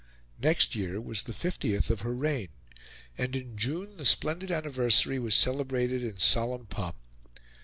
Next year was the fiftieth of her reign, and in June the splendid anniversary was celebrated in solemn pomp.